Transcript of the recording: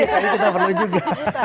iya kita perlu juga